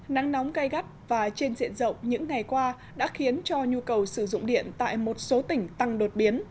nắng nóng gai gắt và trên diện rộng những ngày qua đã khiến cho nhu cầu sử dụng điện tại một số tỉnh tăng đột biến